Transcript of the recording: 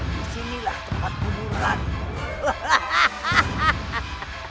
disinilah tempat kuburan